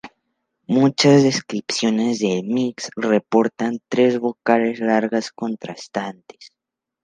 Muchas descripciones del mixe reportan tres vocales largas contrastantes.